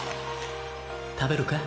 食べるか？